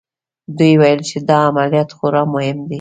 دوی ویل چې دا عملیات خورا مهم دی